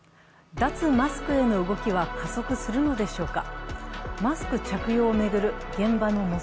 脱マスクへの動きは加速するのでしょうか。